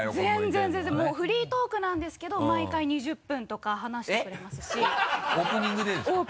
全然全然もうフリートークなんですけど毎回２０分とか話してくれますしえっ！？